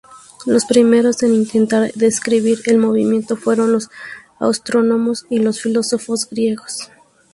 Los primeros en intentar describir el movimiento fueron los astrónomos y los filósofos griegos.